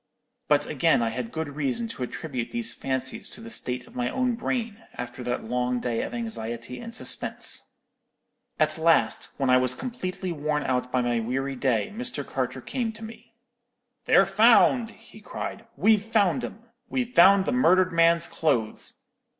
But again I had good reason to attribute these fancies to the state of my own brain, after that long day of anxiety and suspense. "At last, when I was completely worn out by my weary day, Mr. Carter came to me. "'They're found!' he cried. 'We've found 'em! We've found the murdered man's clothes!